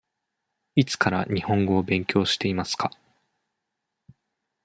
いつから日本語を勉強していますか。